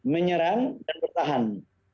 menyerang dan bertahan